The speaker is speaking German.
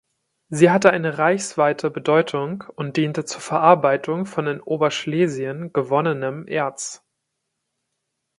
Sie hatte eine reichsweite Bedeutung und diente zur Verarbeitung von in Oberschlesien gewonnenem Erz.